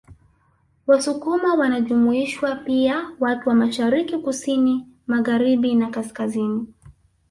Wasukuma wanajumuishwa pia watu wa Mashariki kusini Magharibina kaskazini